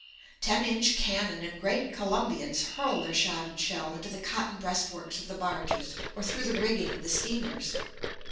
Ten inch cannon and great columbiads hurl their shot and shell into the cotton breastworks of the barges or through the rigging of the steamers.